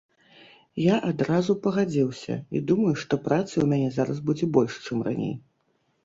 Я адразу пагадзіўся і думаю, што працы ў мяне зараз будзе больш, чым раней.